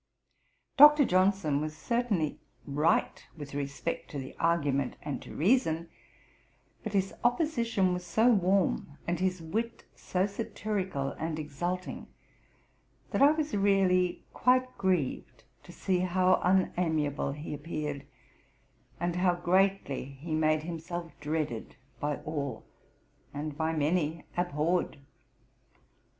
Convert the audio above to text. Dr. Johnson was certainly right with respect to the argument and to reason; but his opposition was so warm, and his wit so satirical and exulting, that I was really quite grieved to see how unamiable he appeared, and how greatly he made himself dreaded by all, and by many abhorred.'